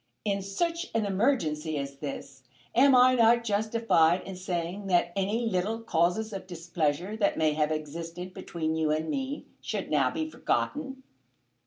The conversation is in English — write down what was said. "In such an emergency as this am I not justified in saying that any little causes of displeasure that may have existed between you and me should now be forgotten?